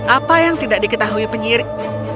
apa yang tidak diketahui penyidik